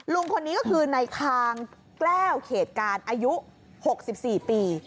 ลุงคนนี้ก็คือในคางแก้วเขตการอายุ๖๔ปี